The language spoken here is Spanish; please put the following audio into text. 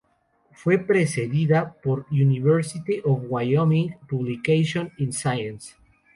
Fue precedida por "University of Wyoming Publications in Science.